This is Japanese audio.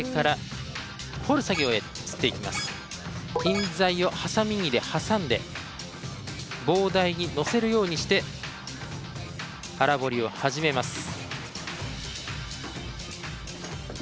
印材をはさみ木で挟んで棒台にのせるようにして粗彫りを始めます。